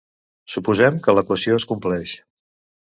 Suposem que l'equació es compleix.